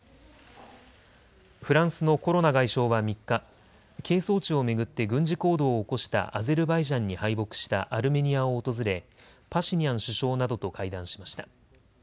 フランスのコロナ外相は３日、係争地を巡って軍事行動を起こしたアゼルバイジャンに敗北したアルメニアを訪れパシニャン首相などと会談しました。